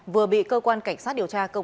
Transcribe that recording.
vừa bị cơ quan cảnh sát điều tra cơ quan